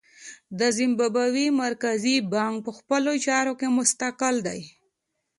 د زیمبابوې مرکزي بانک په خپلو چارو کې مستقل دی.